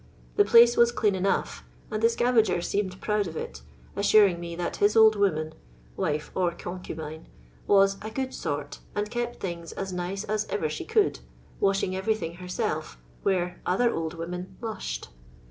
The place was clean enough, and the scavager seemed proud of it, assuring me that his old woman (wife or concubine) was " a good sort," and kept things as nice as ever she could, washing everything herself, where "other old women lushed."